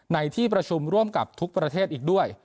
ในที่ประชุมร่วมกับทุกประเทศอีกด้วย